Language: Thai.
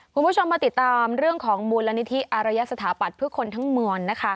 คุณผู้ชมมาติดตามเรื่องของมูลนิธิอารยสถาปัตย์เพื่อคนทั้งมวลนะคะ